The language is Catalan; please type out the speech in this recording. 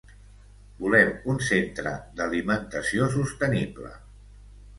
Volem un centre d'alimentació sostenible.